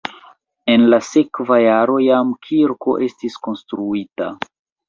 En la sekva jaro jam kirko estis konstruita.